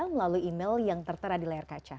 melalui email yang tertera di layar kaca